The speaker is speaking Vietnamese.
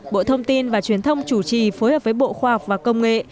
bộ thông tin và truyền thông chủ trì phối hợp với bộ khoa học và công nghệ